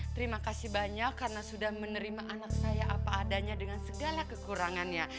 terima kasih banyak karena sudah menerima anak saya apa adanya dengan segala kekurangannya